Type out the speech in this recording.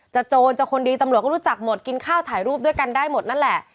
โจรจะคนดีตำรวจก็รู้จักหมดกินข้าวถ่ายรูปด้วยกันได้หมดนั่นแหละ